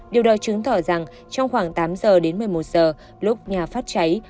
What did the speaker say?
điều đó chứng tỏ rằng trong khoảng tám giờ đến một mươi một giờ lúc nhà phát cháy